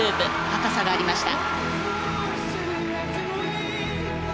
高さがありました。